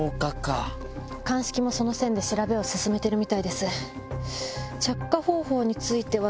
鑑識もその線で調べを進めてるみたいです。